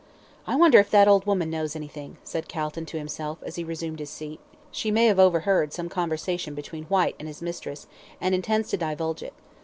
"I wonder if that old woman knows anything?" said Calton to himself, as he resumed his seat. "She may have overheard some conversation between Whyte and his mistress, and intends to divulge it.